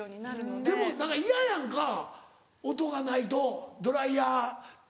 でも何か嫌やんか音がないとドライヤーって。